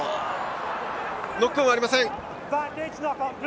ノックオンはありません。